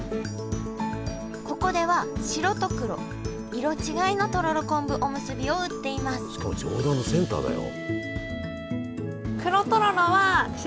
ここでは白と黒色違いのとろろ昆布おむすびを売っていますしかも上段のセンターだよ。